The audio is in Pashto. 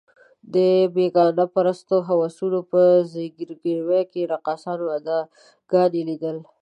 د بېګانه پرستو هوسونو په ځګیروي کې یې رقاصانو اداګانې لیدلې.